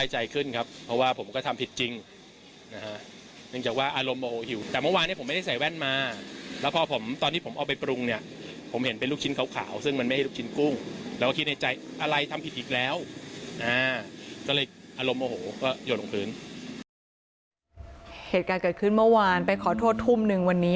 เหตุการณ์เกิดขึ้นเมื่อวานไปขอโทษทุ่มนึงวันนี้